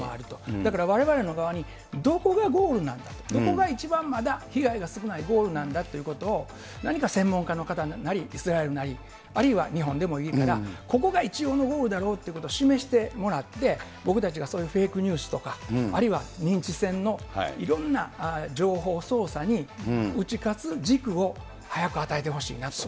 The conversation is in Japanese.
だからわれわれの場合、どこがゴールなんだ、どこがまだ一番被害が少ないゴールなんだということを、何か専門家の方なり、イスラエルなり、あるいは日本でもいいんですが、ここが一応のゴールだろうということを示してもらって、僕たちがそういうフェイクニュースとか、あるいは認知戦のいろんな情報操作に打ち勝つ軸を早く与えてほしいなと。